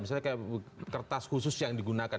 misalnya kayak kertas khusus yang digunakan